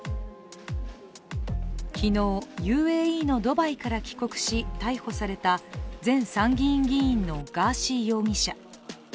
昨日、ＵＡＥのドバイから帰国し逮捕された前参議院議員のガーシー容疑者。